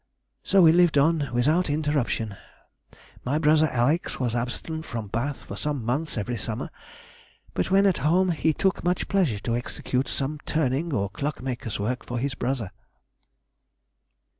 So we lived on without interruption. My brother Alex was absent from Bath for some months every summer, but when at home he took much pleasure to execute some turning or clockmaker's work for his brother."